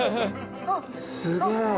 すげえ。